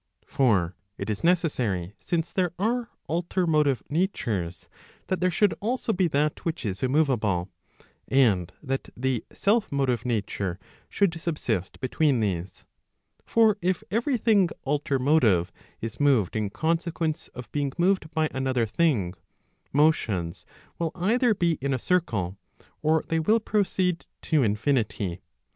For it is necessary since there are alter motive natures, that there should also be that which is immoveable, and that the self motive nature should subsist between these. For if every thing alter motive is moved in. consequence of being moved by another thing, motions will either be in Digitized by t^OOQLe PROP. XV. OF THEOLOGY. 311 a circle, or they will proceed to infinity.